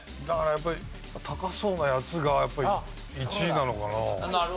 だからやっぱり高そうなやつがやっぱり１位なのかな？